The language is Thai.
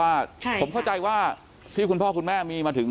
มีลูกเพิ่มเพราะว่าใช่ค่ะผมเข้าใจว่าที่คุณพ่อคุณแม่มีมาถึง